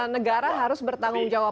negara harus bertanggung jawab